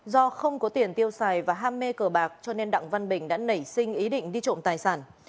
do không có tiền tiêu xài và ham mê cờ bạc cho nên đặng văn bình đã nảy sinh ý định đi trộm tài sản